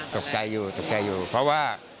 ตกใจอยู่ตกใจอยู่เพราะว่า